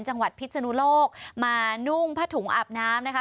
จังหวัดผิดสนุโลกมาด้านนู่งผ้าถุงอาบน้ำนะคะ